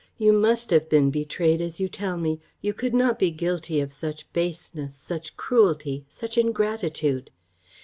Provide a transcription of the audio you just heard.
You must have been betrayed as you tell me; you could not be guilty of such baseness, such cruelty, such ingratitude.